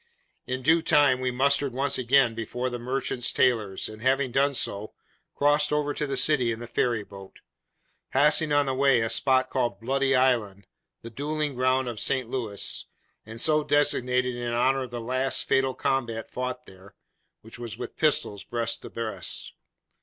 In due time we mustered once again before the merchant tailor's, and having done so, crossed over to the city in the ferry boat: passing, on the way, a spot called Bloody Island, the duelling ground of St. Louis, and so designated in honour of the last fatal combat fought there, which was with pistols, breast to breast.